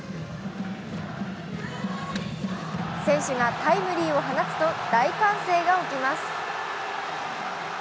選手がタイムリーを放つと大歓声が起きます。